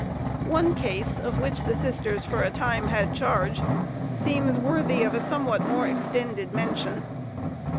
One case, of which the sisters for a time had charge, seems worthy of a somewhat more extended mention.